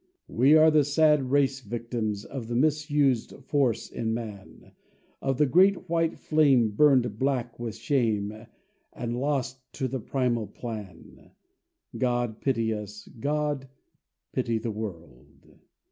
We are the sad race victims Of the misused force in man, Of the great white flame burned black with shame And lost to the primal plan. God pity us; God pity the world.